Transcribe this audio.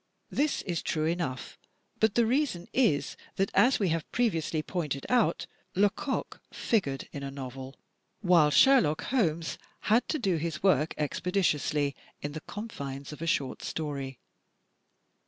This is true enough, but the reason is that, as we have previously pointed out, Lecoq figured in a novel while Sherlock had to do his work expeditiously in the confines of a short story.